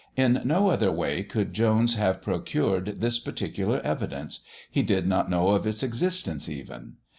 In no other way could Jones have procured this particular evidence; he did not know of its existence even.